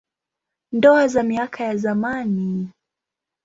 Ndoa za miaka ya zamani.